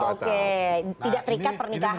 oke tidak terikat pernikahan